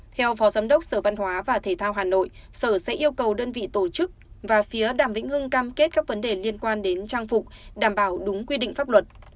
theo phó giám đốc sở văn hóa và thể thao hà nội sở sẽ yêu cầu đơn vị tổ chức và phía đàm vĩnh ngưng cam kết các vấn đề liên quan đến trang phục đảm bảo đúng quy định pháp luật